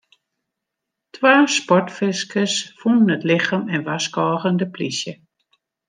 Twa sportfiskers fûnen it lichem en warskôgen de polysje.